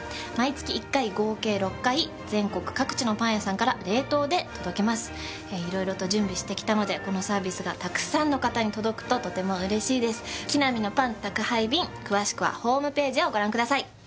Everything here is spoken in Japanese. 毎月１回合計６回全国各地のパン屋さんから冷凍で届きます色々と準備してきたのでこのサービスがたくさんの方に届くととても嬉しいですキナミのパン宅配便詳しくはホームページをご覧ください